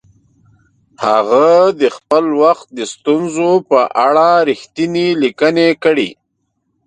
هغه د خپل وخت د ستونزو په اړه رښتیني لیکنې کړي.